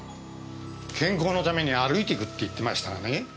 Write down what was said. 健康のために歩いていくって言ってましたがね。